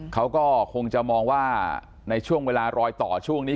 เขาก็คงจะมองว่าในช่วงเวลารอยต่อช่วงนี้